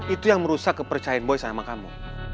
itu yang merusak kepercayaan boy sama kamu